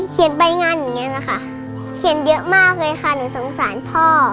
ใบงานอย่างนี้นะคะเขียนเยอะมากเลยค่ะหนูสงสารพ่อ